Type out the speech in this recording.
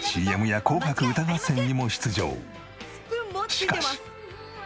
しかし。